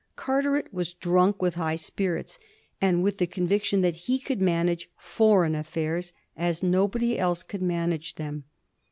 Carteret was drunk with high spirits, and with the conviction that he could manage foreign affairs as nobody else could manage them.